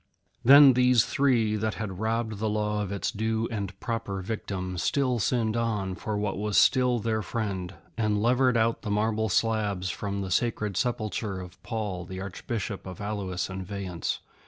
Then these three, that had robbed the Law of its due and proper victim, still sinned on for what was still their friend, and levered out the marble slabs from the sacred sepulchre of Paul, Archbishop of Alois and Vayence.